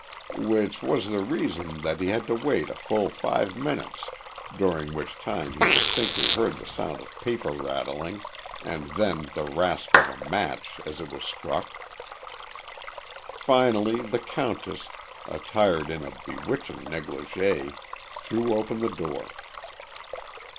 Which was the reason that he had to wait a full five minutes, during which time he distinctly heard the sound of paper rattling and then the rasp of a match as it was struck. Finally the countess, attired in a bewitching negligée, threw open the door.